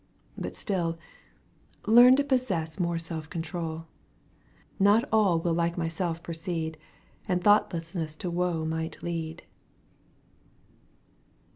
But still — о Learn to possess more seM control. Not all Will like myself proceed — And thoughtlessness to woe might lead."